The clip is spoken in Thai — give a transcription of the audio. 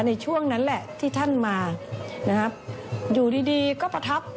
ในช่วงนั้นแหละที่ท่านมานะครับอยู่ดีดีก็ประทับ